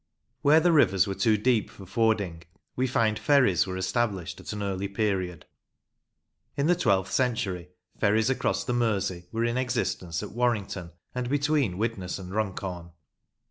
Where the rivers were too deep for fording, we find ferries were established at an early period. In the twelfth century ferries across the Mersey were in existence at Warrington and between Widnes and Runcorn.